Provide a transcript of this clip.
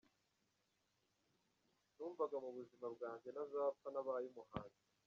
Numvaga mu buzima bwanjye ntazapfa ntabaye umuhanzi.